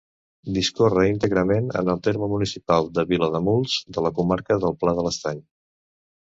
Discorre íntegrament en el terme municipal de Vilademuls, de la comarca del Pla de l'Estany.